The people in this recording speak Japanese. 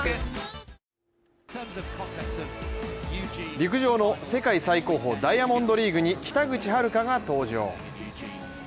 陸上の世界最高峰ダイヤモンドリーグに北口榛花が登場。